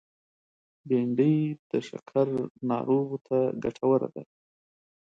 بېنډۍ د شکر ناروغو ته ګټوره ده